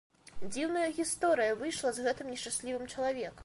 Дзіўная гісторыя выйшла з гэтым нешчаслівым чалавекам.